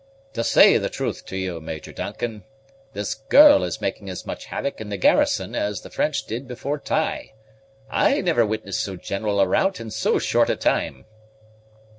"To say the truth to you, Major Duncan, this girl is making as much havoc in the garrison as the French did before Ty: I never witnessed so general a rout in so short a time!"